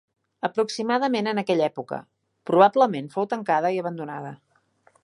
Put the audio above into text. Aproximadament en aquella època, probablement fou tancada i abandonada.